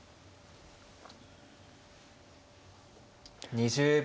２０秒。